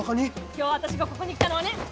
今日私がここに来たのはね！